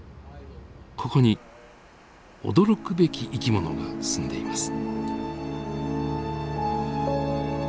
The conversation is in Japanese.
ここに驚くべき生き物が住んでいます。